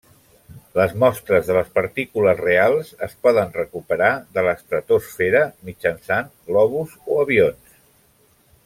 Les mostres de les partícules reals es poden recuperar de l'estratosfera mitjançant globus o avions.